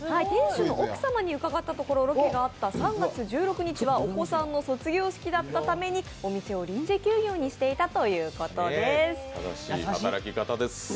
店主の奥様に伺ったところロケのあった日はお子さんの卒業式だったためにお店を臨時休業にしていたということです。